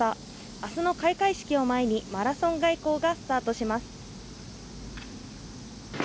明日の開会式を前にマラソン外交がスタートします。